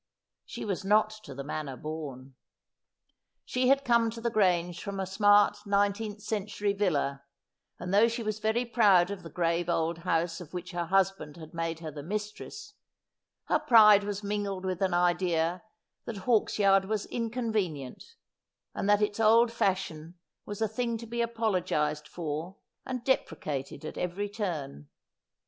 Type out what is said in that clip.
She was not to the manner born. She had come to the grange from a smart nineteenth century villa, and though she was very proud of the grave old house of which her husband had made her the mistress, her pride was mingled with an idea that Hawksyard was inconvenient, and that its old fashion was a thing to be apologised for and depre cated at every turn.